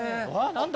何だ？